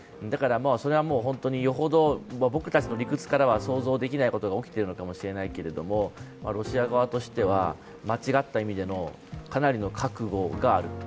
だから、それは本当によほど僕たちの理屈からは想像できないことが起きているのかもしれないけどロシア側としては間違った意味でのかなりの覚悟がある。